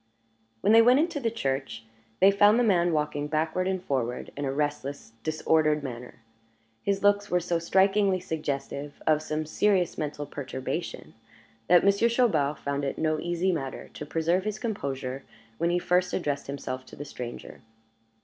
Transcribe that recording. When they went into the church, they found the man walking backward and forward in a restless, disordered manner. His looks were so strikingly suggestive of some serious mental perturbation, that Monsieur Chaubard found it no easy matter to preserve his composure when he first addressed himself to the stranger.